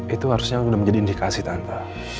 itu harusnya udah menjadi indikasi tante